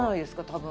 多分。